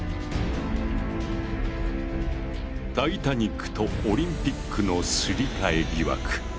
タイタニックとオリンピックのすり替え疑惑。